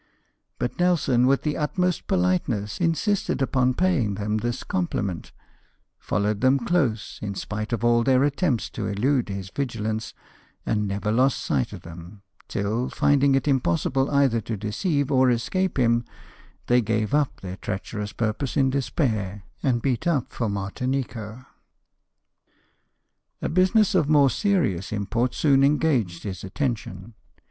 But Nelson, with the utmost polite ness, insisted upon paying them this compliment, followed them close, in spite of all their attempts to elude his vigilance, and never lost sight of them, till. BARBADOES. 35 finding it impossible either to deceive or escape him they gave up their treacherous purpose in despair, and beat up for Martinico. A business of more serious import soon engaged his attention.